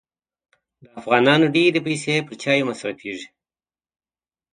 د افغانانو ډېري پیسې پر چایو مصرفېږي.